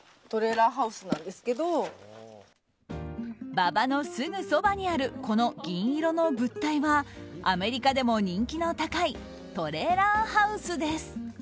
馬場のすぐそばにあるこの銀色の物体はアメリカでも人気の高いトレーラーハウスです。